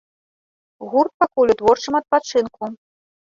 Гурт пакуль у творчым адпачынку.